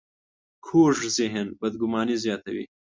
کوږ ذهن بدګماني زیاتوي